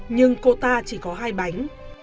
nhưng cô ta chỉ có hai bánh